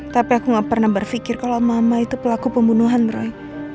tapi aku gak pernah berpikir kalau mama itu pelaku pembunuhan roy